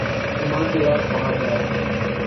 بیمار کی رات پہاڑ برابر